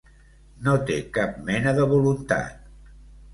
No té cap mena de voluntat.